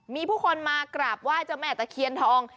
มีผู้คนมากราบไหว้เจ้าแม่ตะเคียนทอง